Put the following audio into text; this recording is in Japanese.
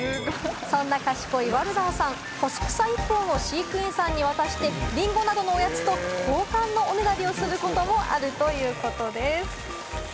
そんな賢いワルダーさん、干し草１本を飼育員さんに渡してリンゴなどのおやつと交換のおねだりをすることもあるということです。